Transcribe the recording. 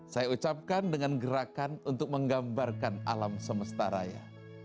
saya ucapkan dengan gerakan untuk menggambarkan alam semesta raya